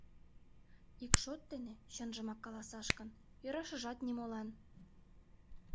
Ик шот дене, чынжымак каласаш гын, ӧрашыжат нимолан.